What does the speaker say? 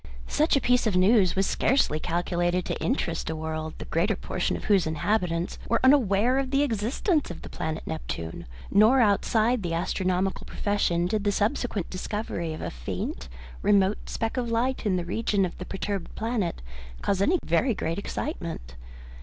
Such a piece of news was scarcely calculated to interest a world the greater portion of whose inhabitants were unaware of the existence of the planet Neptune, nor outside the astronomical profession did the subsequent discovery of a faint remote speck of light in the region of the perturbed planet cause any very great excitement.